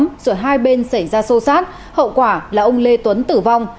rồi hai bên xảy ra sâu sát hậu quả là ông lê tuấn tử vong